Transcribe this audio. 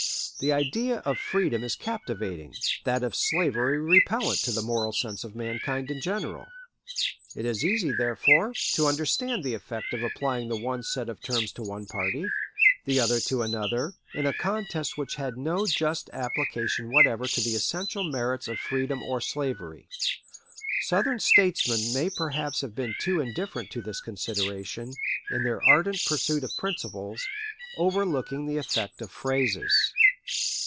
The idea of freedom is captivating, that of slavery repellent to the moral sense of mankind in general. It is easy, therefore, to understand the effect of applying the one set of terms to one party, the other to another, in a contest which had no just application whatever to the essential merits of freedom or slavery. Southern statesmen may perhaps have been too indifferent to this consideration in their ardent pursuit of principles, overlooking the effects of phrases.